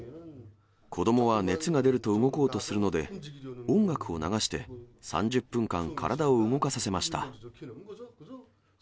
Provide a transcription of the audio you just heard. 子どもは熱が出ると動こうとするので、音楽を流して、３０分間体を動かさせました。